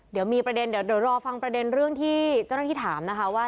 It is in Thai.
เดี๋ยวมีประเด็นเดี๋ยวรอฟังประเด็นเรื่องที่เจ้าหน้าที่ถามนะคะว่า